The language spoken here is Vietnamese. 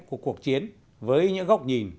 của cuộc chiến với những góc nhìn